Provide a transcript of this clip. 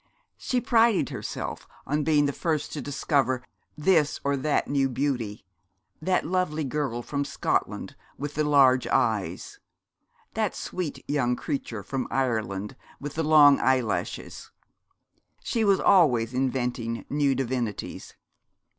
She prided herself on being the first to discover this or that new beauty. That lovely girl from Scotland with the large eyes that sweet young creature from Ireland with the long eyelashes. She was always inventing new divinities.